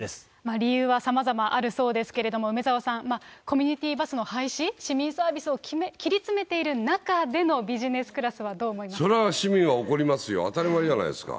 理由はさまざまあるそうですけど、梅沢さん、コミュニティーバスの廃止、市民サービスを切り詰めている中でのビジネスクラスはどう思いまそれは市民は怒りますよ、当たり前じゃないですか。